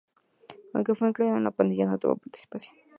Aunque fue incluido en la Plantilla, no tuvo participación.